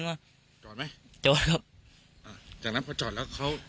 จดไหมจดครับจากนั้นพอจดแล้วเขา